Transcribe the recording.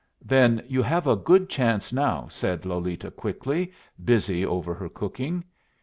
"Then you have a good chance now," said Lolita, quickly, busy over her cooking.